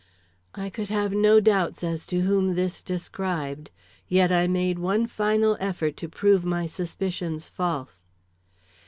I could have no doubts as to whom this described, yet I made one final effort to prove my suspicions false.